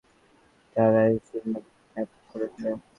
তারাই সিম্বাকে কিডন্যাপ করেছে।